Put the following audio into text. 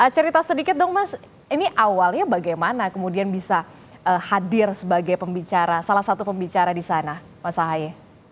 cerita sedikit dong mas ini awalnya bagaimana kemudian bisa hadir sebagai salah satu pembicara di sana mas ahaye